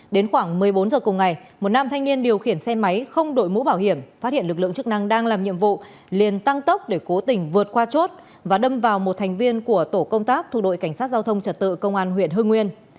đến khoảng một mươi bốn h cùng ngày một nam thanh niên điều khiển xe máy không đội mũ bảo hiểm phát hiện lực lượng chức năng đang làm nhiệm vụ liền tăng tốc để cố tình vượt qua chốt và đâm vào một thành viên của tổ công tác thuộc đội cảnh sát giao thông trật tự công an huyện hưng nguyên